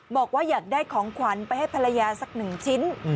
บอกว่าอยากได้ของขวัญไปให้ภรรยาสักหนึ่งชิ้น